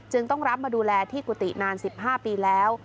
ต้องรับมาดูแลที่กุฏินาน๑๕ปีแล้ว